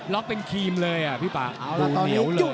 ็อกเป็นครีมเลยอ่ะพี่ป่าเหนียวเลย